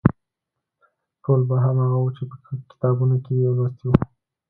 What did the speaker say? ټول به هماغه و چې په کتابونو کې یې لوستي وو.